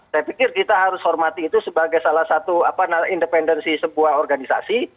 saya pikir kita harus hormati itu sebagai salah satu independensi sebuah organisasi